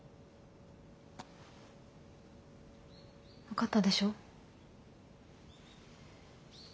分かったでしょ？